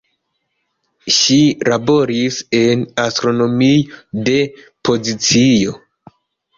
Ŝi laboris en astronomio de pozicio.